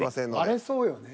荒れそうよね。